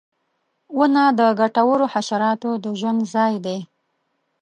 • ونه د ګټورو حشراتو د ژوند ځای دی.